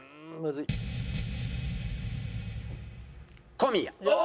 小宮。